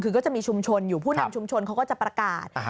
คือก็จะมีชุมชนอยู่ผู้นำชุมชนเขาก็จะประกาศ